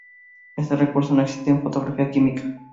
Este recurso no existe en fotografía química.